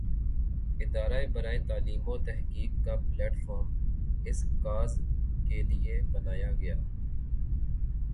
ادارہ برائے تعلیم وتحقیق کا پلیٹ فارم اس کاز کے لئے بنایا گیا۔